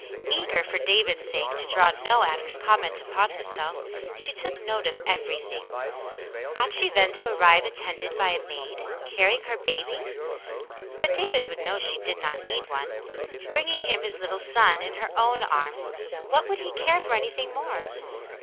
Eager, for David's sake, to draw no adverse comment upon herself, she took note of everything. Ought she then to arrive attended by a maid, carrying her baby ? But David would know she did not need one ; bringing him his little son in her own arms, what would he care for anything more